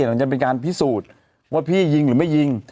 หลังจากเป็นการพิสูจน์ว่าพี่ยิงหรือไม่ยิง